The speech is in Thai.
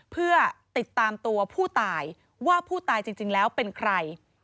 เพื่อติดตามตัวผู้ตายว่าผู้ตายจริงแล้วเป็นใคร